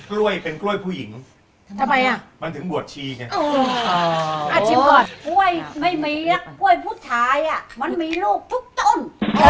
กล้วยเป็นกล้วยผู้หญิงทำไมอ่ะมันถึงบัวชิง